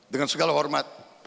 dengan segala hormat